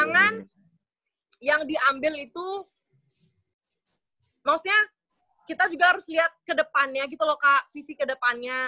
dengan yang diambil itu maksudnya kita juga harus lihat ke depannya gitu loh kak sisi ke depannya